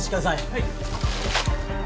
はい。